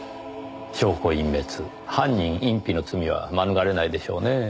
証拠隠滅犯人隠避の罪は免れないでしょうねぇ。